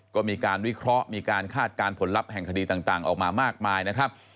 ก็มีการวิเคราะห์มีการคาดการณ์ผลลัพธ์แห่งคดีต่างออกมามากมายนะครับ